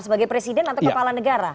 sebagai presiden atau kepala negara